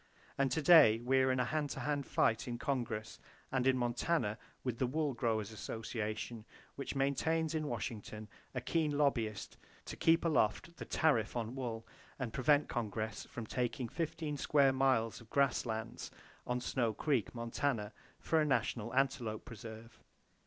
And to day we are in a hand to hand fight in Congress, and in Montana, with the Wool Growers Association, which maintains in Washington a keen lobbyist to keep aloft the tariff on wool, and prevent Congress from taking 15 square miles of grass lands on Snow Creek, Montana, for a National Antelope Preserve.